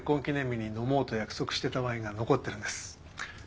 記念日に飲もうと約束してたワインが残ってるんです。